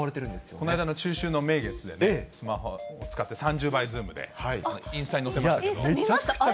この間の中秋の名月でね、スマホ使って、３０倍ズームで、インスタ見ました。